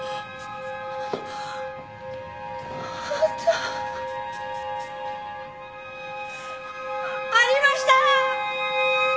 ありました！